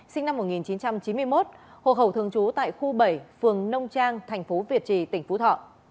sinh năm một nghìn chín trăm chín mươi một hộ khẩu thường trú tại khu bảy phường nông trang thành phố việt trì tỉnh phú thọ